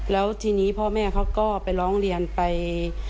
แล้วทีนี้พ่อแม่เขาก็ไปร้องเรียนไป